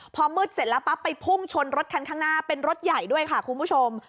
พอมืดเสร็จแล้วปั๊บไปพุ่งชนรถคันข้างหน้าเป็นรถใหญ่ด้วยค่ะคุณผู้ชม